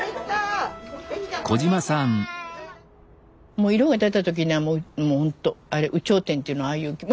もう色が出た時にはもうほんとあれ有頂天っていうのはああいう気持ち。